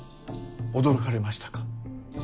驚かれましたか。